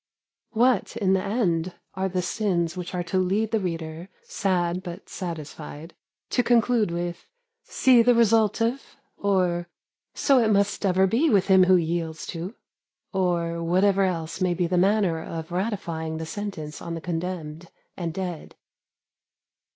What, in the end, are the sins which are to lead the reader, sad but satisfied, to conclude with "See the result of ", or "So it ever must be with him who yields to ," or whatever else may be the manner of ratifying the sentence on the condemned and dead?